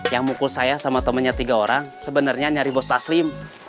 yang mukul saya sama temennya tiga orang sebenarnya nyari bos taslim